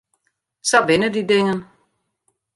Sa binne dy dingen.